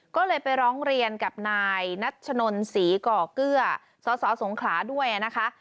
ก็เลยไปร้องเรียนกับนายนัชนนศรีก่อเกลือสสสงขลาด้วยนะคะ